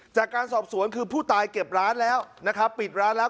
จากการสอบสวนคือผู้ตายเก็บร้านแล้วนะครับปิดร้านแล้ว